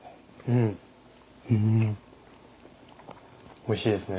おいしいですね。